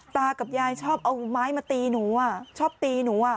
ตากับยายชอบเอาไม้มาตีหนูชอบตีหนูอ่ะ